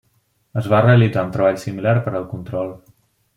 Es va realitzar un treball similar per al control.